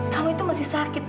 kamu itu masih sakit